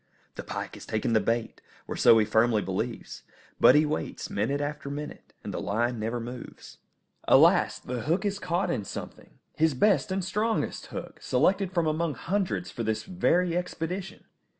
The pike has taken the bait, or so he firmly believes; but he waits minute after minute, and the line never moves. Alas! the hook is caught in something! His best and strongest hook, selected from among hundreds for this very expedition!